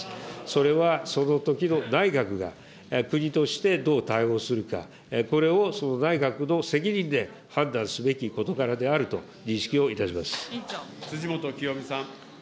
それはそのときの内閣が、国としてどう対応するか、これをその内閣の責任で判断すべき事柄であると認識をしておりま辻元清美さん。